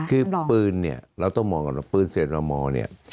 คือปืนเนี่ยเราต้องมองก่อนว่าปืนเศษระมเนี่ย